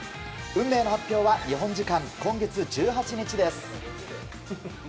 運命の発表は日本時間、今月１８日です。